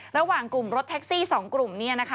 ระหว่างกลุ่มรถแท็กซี่๒กลุ่มเนี่ยนะคะ